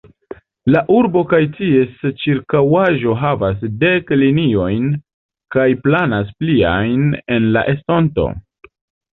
La urbo kaj ties ĉirkaŭaĵo havas dek liniojn kaj planas pliajn en la estonto.